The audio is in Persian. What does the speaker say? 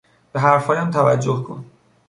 به حرفهایم توجه کن!